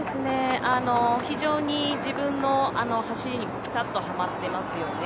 非常に自分の走りにぴたっとはまってますよね。